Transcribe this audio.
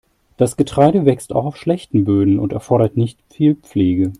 Das Getreide wächst auch auf schlechten Böden und erfordert nicht viel Pflege.